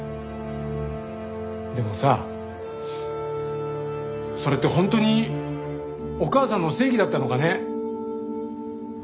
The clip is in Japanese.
でもさそれって本当にお母さんの正義だったのかね？